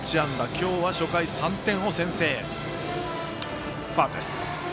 今日は初回３点を先制。